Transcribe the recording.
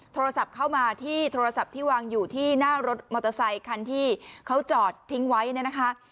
โทรศัพท์เข้ามาที่โทรศัพท์ที่วางอยู่ที่หน้ารถมอเตอร์ไซคันที่เขาจอดทิ้งไว้เนี่ยนะคะ